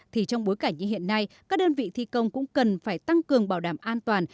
thì trong bối cảnh như hiện nay các đơn vị thi công cũng cần phải tăng cường bảo đảm an toàn